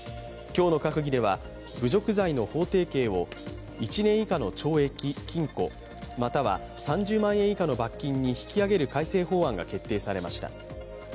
今日の閣議では侮辱罪の法定刑を１年以下の懲役・禁錮または３０万円以下の罰金に引き上げる改正法案が決定されました。